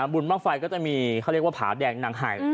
บ้างไฟก็จะมีเขาเรียกว่าผาแดงนางไห่